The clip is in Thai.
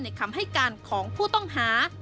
คำให้การของผู้ต้องหา